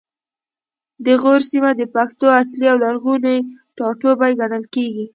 د غور سیمه د پښتنو اصلي او لرغونی ټاټوبی ګڼل کیږي